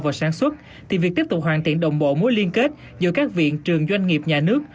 vào sản xuất thì việc tiếp tục hoàn thiện đồng bộ mối liên kết giữa các viện trường doanh nghiệp nhà nước